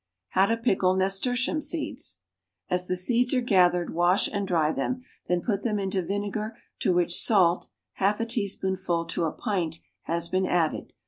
=How to Pickle Nasturtium Seeds.= As the seeds are gathered wash and dry them; then put them into vinegar to which salt (half a teaspoonful to a pint) has been added.